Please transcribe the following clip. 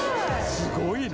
すごいな！